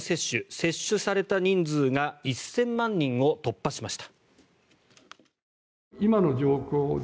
接種された人数が１０００万人を突破しました。